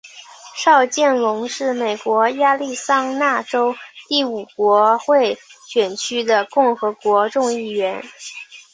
邵建隆是美国亚利桑那州第五国会选区的共和党众议员。